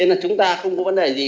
nên là chúng ta không có vấn đề gì